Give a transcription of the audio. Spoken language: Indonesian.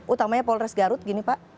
utamanya polres garut gini pak